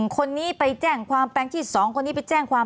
คนนี้ไปแจ้งความแปลงที่๒คนนี้ไปแจ้งความ